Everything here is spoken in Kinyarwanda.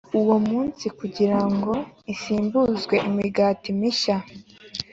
uwo munsi kugira ngo isimbuzwe imigati mishya